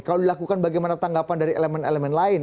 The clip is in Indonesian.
kalau dilakukan bagaimana tanggapan dari elemen elemen lain